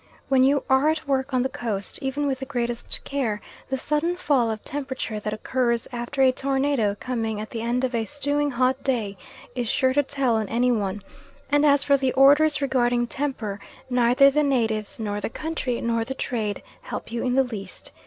When you are at work on the Coast, even with the greatest care, the sudden fall of temperature that occurs after a tornado coming at the end of a stewing hot day, is sure to tell on any one, and as for the orders regarding temper neither the natives, nor the country, nor the trade, help you in the least.